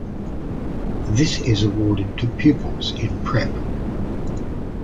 This is awarded to pupils in Prep.